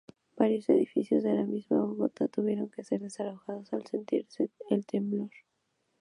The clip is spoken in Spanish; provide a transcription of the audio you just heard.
Varios edificios de la misma Bogotá tuvieron que ser desalojados al sentirse el temblor.